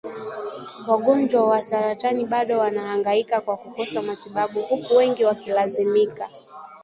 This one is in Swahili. wagonjwa wa saratani bado wanahangaika kwa kukosa matibabu huku wengi wakilazimika